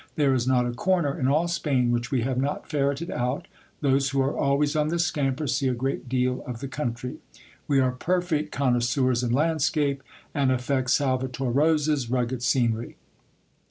There is not a corner in all Spain which we have not ferreted out ; those who are always on the scamper see a great deal of the country. We are perfect con noisseurs in landscape, and affect Salvator Rosa's rugged scenery.